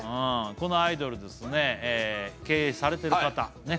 このアイドルですね経営されてる方